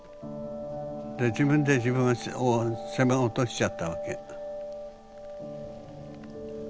自分で自分を責め落としちゃったわけ。